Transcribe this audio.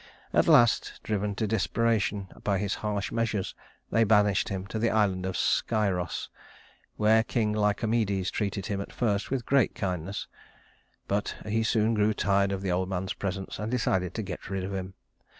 At last, driven to desperation by his harsh measures, they banished him to the island of Scyros, where the king Lycomedes treated him at first with great kindness; but he soon grew tired of the old man's presence and decided to get rid of him.